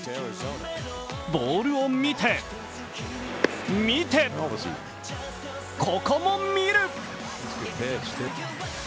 ボールを見て、見て、ここも見る。